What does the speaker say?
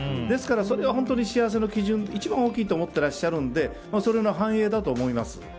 ですからそれが本当に幸せの基準一番大きいと思っていらっしゃるのでそれの反映だと思います。